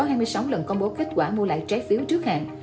sau hai mươi sáu lần công bố kết quả mua lại trái phiếu trước hạn